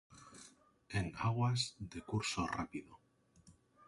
En aguas de curso rápido.